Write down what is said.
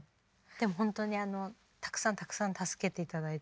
でも本当にあのたくさんたくさん助けて頂いて。